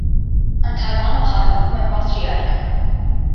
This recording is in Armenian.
Ընդհարմանը խառնվում է պատրիարքը։